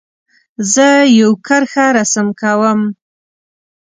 زه یو کرښه رسم کوم.